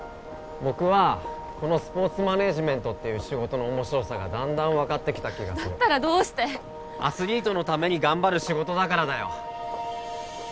僕はこのスポーツマネージメントっていう仕事の面白さがだんだん分かってきた気がするだったらどうしてアスリートのために頑張る仕事だからだよ